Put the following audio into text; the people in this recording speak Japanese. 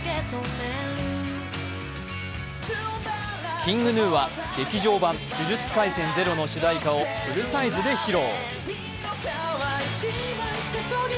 ｋｉｎｇＧｎｕは「劇場版呪術廻戦０」の主題歌をフルサイズで披露。